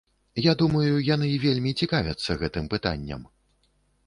Я думаю, яны вельмі цікавяцца гэтым пытанням.